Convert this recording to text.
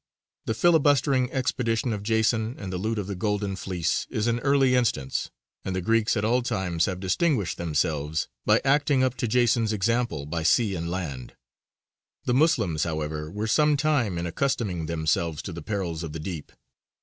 The filibustering expedition of Jason and the loot of the Golden Fleece is an early instance, and the Greeks at all times have distinguished themselves by acting up to Jason's example by sea and land. The Moslems, however, were some time in accustoming themselves to the perils of the deep.